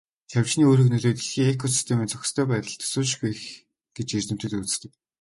Шавжны үүрэг нөлөө дэлхийн экосистемийн зохистой байдалд төсөөлшгүй их гэж эрдэмтэд үздэг.